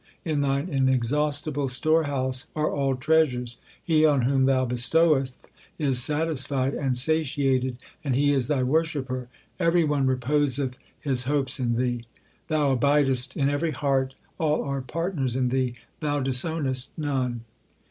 In Thine inexhaustible storehouse are all treasures. He on whom Thou bestoweth is satisfied and satiated, and he is Thy worshipper. Every one reposeth his hopes in Thee. Thou abidest in every heart, All are partners in Thee ; Thou disownest none.